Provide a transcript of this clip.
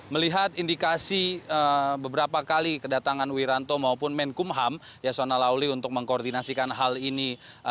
melihat indikasi beberapa kali kedatangan wiranto maupun menkumham yasona lauli untuk mengkoordinasikan hal ini